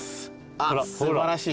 あっ素晴らしい。